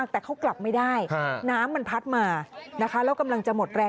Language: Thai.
ถูกกระแสน้ำพัดออกจากฝั่งค่ะ